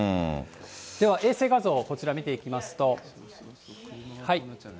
では衛星画像、こちら見ていきますと。